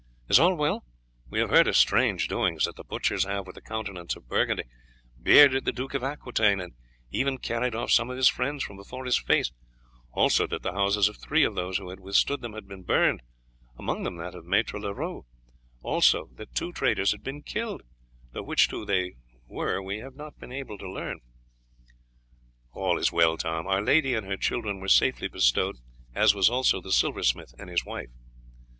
Is all well? We have heard of strange doings that the butchers have, with the countenance of Burgundy, bearded the Duke of Aquitaine, and even carried off some of his friends from before his face; also that the houses of three of those who had withstood them had been burned, among them that of Maître Leroux; also that two traders had been killed, though which two they were we have not been able to learn." "All is well, Tom; our lady and her children were safely bestowed, as was also the silversmith and his wife."